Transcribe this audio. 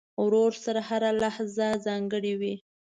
ورور سره هره لحظه ځانګړې وي.